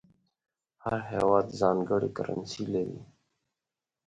هر هېواد ځانګړې کرنسي لري.